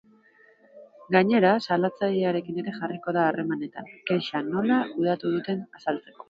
Gainera, salatzailearekin ere jarriko da harremanetan, kexa nola kudeatu duten azaltzeko.